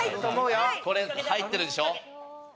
これ入ってるでしょ？